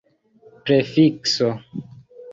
prefikso